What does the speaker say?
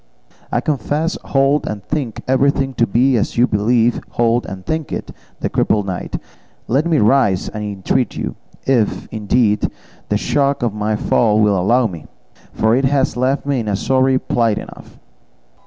"I confess, hold, and think everything to be as you believe, hold, and think it," the crippled knight; "let me rise, I entreat you; if, indeed, the shock of my fall will allow me, for it has left me in a sorry plight enough."